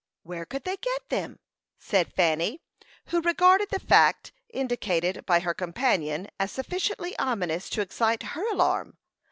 "Where could they get them?" said Fanny, who regarded the fact indicated by her companion as sufficiently ominous to excite her alarm.